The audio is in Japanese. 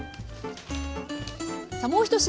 さあもう１品。